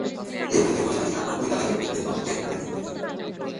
এই বুদ্ধির বলে তিনি আপনার দুই দাদাকে অত্যন্ত হেয়জ্ঞান করিতেন।